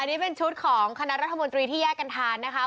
อันนี้เป็นชุดของคณะรัฐมนตรีที่แยกกันทานนะคะ